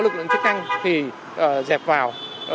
lực lượng chức năng thì dẹp vào